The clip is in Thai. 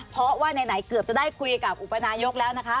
เพราะว่าไหนเกือบจะได้คุยกับอุปนายกแล้วนะคะ